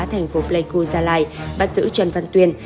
tp pleiku gia lai bắt giữ trần văn tuyên